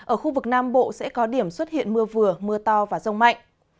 ở khu vực nam bộ sẽ có điểm xuất hiện mưa vừa mưa to và rông mạnh